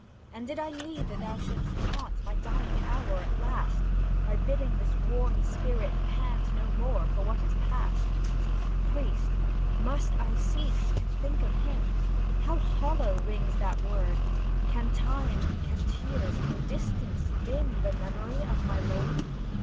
And, did I need that thou shouldst taunt My dying hour at last, By bidding this worn spirit pant No more for what is past? Priest MUST I cease to think of him? How hollow rings that word! Can time, can tears, can distance dim The memory of my lord?